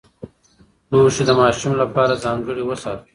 لوښي د ماشوم لپاره ځانګړي وساتئ.